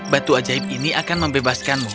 batu ajaib ini akan membebaskanmu